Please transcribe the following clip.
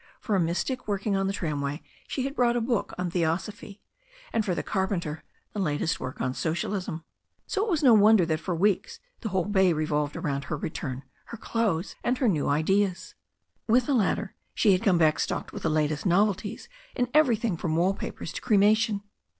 For a mystic working on the tramway she had brought a book on theosophy, and, for the carpenter, the latest word on socialism. So it was no wonder that for weeks the whole bay re volved about her return, her clothes, and her new ideas. With the latter she had come back stocked with the latest novelties in everything from wall papers to cremation.